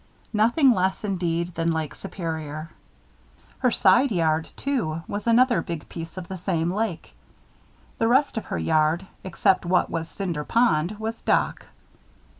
Nothing less, indeed, than Lake Superior. Her side yard, too, was another big piece of the same lake. The rest of her yard, except what was Cinder Pond, was dock.